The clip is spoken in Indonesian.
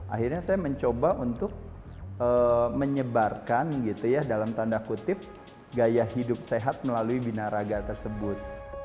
akhirnya saya mencoba untuk menyebarkan dalam tanda kutip gaya hidup sehat melalui binaraga tersebut